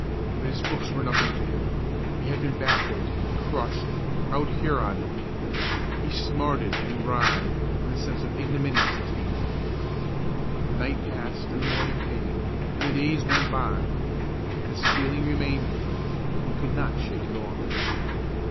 But his books were nothing to him; he had been baffled, crushed, out Heroded. He smarted and writhed with a sense of ignominious defeat. The night passed and the morning came, and the days went by; but this feeling remained with him, he could not shake it off.